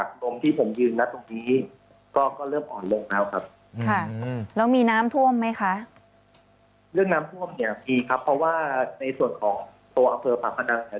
ก็ยังมีครับเพราะว่าในส่วนของตัวอำเปิอพาขนักหลังอาหรัย